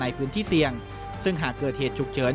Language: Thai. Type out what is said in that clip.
ในพื้นที่เสี่ยงซึ่งหากเกิดเหตุฉุกเฉิน